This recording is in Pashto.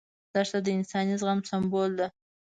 دښته د انساني زغم سمبول ده.